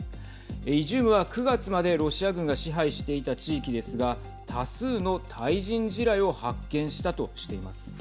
イジュームは９月までロシア軍が支配していた地域ですが多数の対人地雷を発見したとしています。